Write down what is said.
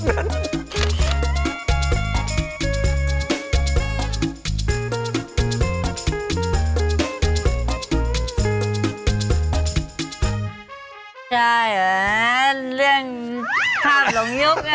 ใช่ไหม